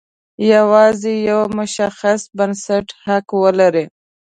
یوازې یو مشخص بنسټ حق ولري.